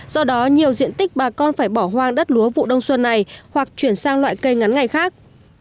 do đó nhiều diện tích bà con phải bỏ hoang đất lúa vụ đông xuân này hoặc chuyển sang loại cây ngắn ngày khác